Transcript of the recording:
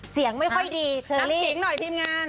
เสียงไม่ค่อยดีเชอร์ลี่น้ำหิงหน่อยทีมงาน